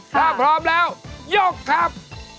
ถ้าพร้อมแล้วยกครับ